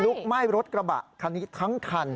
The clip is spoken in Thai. ไหม้รถกระบะคันนี้ทั้งคัน